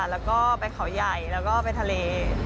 แล้วก็ไปเขาใหญ่แล้วก็ไปทะเล